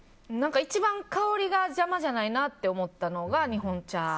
一番香りが邪魔じゃないなって思ったのが日本茶。